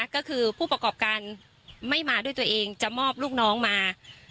ก็คือผู้ประกอบการไม่มาด้วยตัวเองจะมอบลูกน้องมา